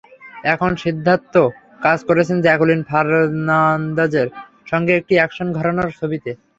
এখন সিদ্ধার্থ কাজ করছেন জ্যাকুলিন ফার্নান্দেজের সঙ্গে একটি অ্যাকশন ঘরানার ছবিতে।